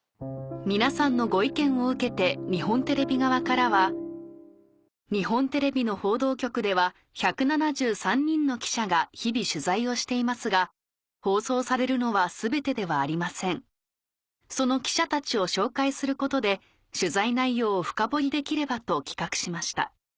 皆さんのご意見を受けて日本テレビ側からは「日本テレビの報道局では１７３人の記者が日々取材をしていますが放送されるのは全てではありません」「その記者たちを紹介することで取材内容をフカボリできればと企画しました」